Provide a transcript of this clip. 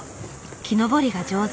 木登りが上手。